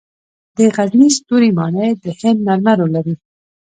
د غزني ستوري ماڼۍ د هند مرمرو لري